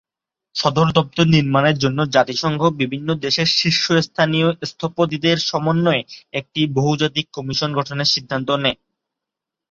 সদর দপ্তর নির্মাণের জন্য জাতিসংঘ বিভিন্ন দেশের শীর্ষস্থানীয় স্থপতিদের সমন্বয়ে একটি বহুজাতিক কমিশন গঠনের সিদ্ধান্ত নেয়।